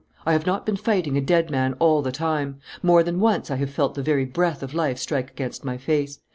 I have not been fighting a dead man all the time; more than once I have felt the very breath of life strike against my face.